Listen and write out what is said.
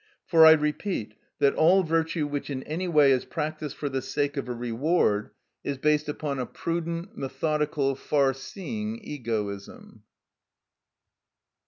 For I repeat that all virtue which in any way is practised for the sake of a reward is based upon a prudent, methodical, far seeing egoism.